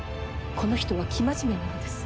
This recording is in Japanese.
この人は生真面目なのです。